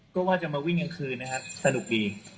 ก็ว่าจะมาวิ่งกลางคืนนะครับสนุกดี